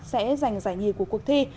sẽ giành giải nhì của cuộc thi